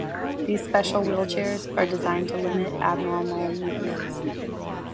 These special wheelchairs are designed to limit abnormal movements.